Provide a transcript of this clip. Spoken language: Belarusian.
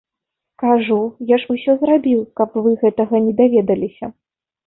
Кажу, я ж усё зрабіў, каб вы гэтага не даведаліся.